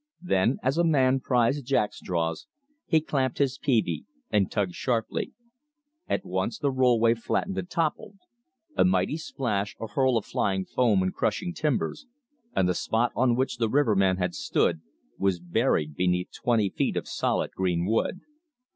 Then, as a man pries jack straws, he clamped his peavey and tugged sharply. At once the rollway flattened and toppled. A mighty splash, a hurl of flying foam and crushing timbers, and the spot on which the riverman had stood was buried beneath twenty feet of solid green wood.